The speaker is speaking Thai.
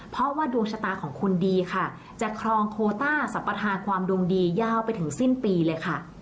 เพราะว่าดวงชะตาของคุณดีค่ะจะครองโคต้าสัมปทาความดวงดียาวไปถึงสิ้นปีเลยค่ะ